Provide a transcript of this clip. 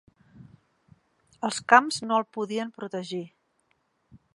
Els camps no el podien protegir.